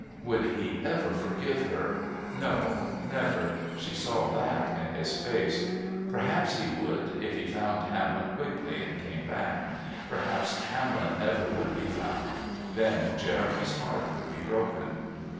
Would he ever forgive her? No, never; she saw that in his face. Perhaps he would if he found Hamlet quickly and came back. Perhaps Hamlet never would be found. Then Jeremy's heart would be broken.